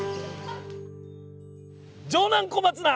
城南小松菜。